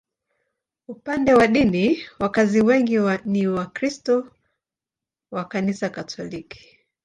Upande wa dini, wakazi wengi ni Wakristo wa Kanisa Katoliki.